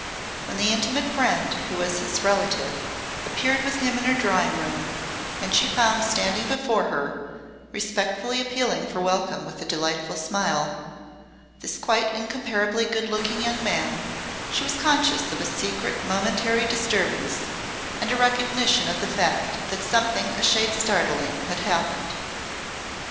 When the intimate friend who was his relative appeared with him in her drawing room and she found standing before her, respectfully appealing for welcome with a delightful smile, this quite incomparably good looking young man, she was conscious of a secret momentary disturbance and a recognition of the fact that something a shade startling had happened.